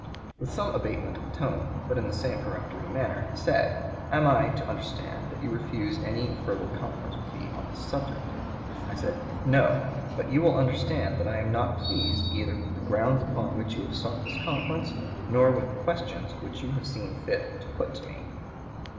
With some abatement of tone, but in the same peremptory manner, he said, 'Am I to understand that you refuse any further conference with me on this subject?' I said, 'No. But you will understand that I am not pleased either with the grounds upon which you have sought this conference, nor with the questions which you have seen fit to put to me.'"